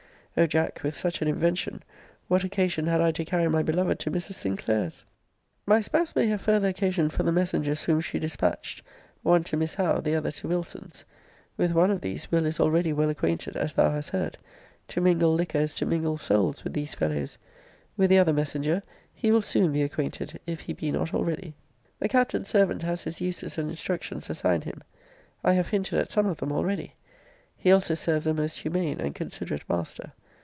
O Jack, with such an invention, what occasion had I to carry my beloved to Mrs. Sinclair's? My spouse may have farther occasion for the messengers whom she dispatched, one to Miss Howe, the other to Wilson's. With one of these Will. is already well acquainted, as thou hast heard to mingle liquor is to mingle souls with these fellows; with the other messenger he will soon be acquainted, if he be not already. The Captain's servant has his uses and instructions assigned him. I have hinted at some of them already.* He also serves a most humane and considerate master.